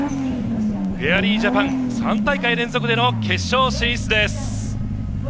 フェアリージャパン３大会連続での決勝進出です。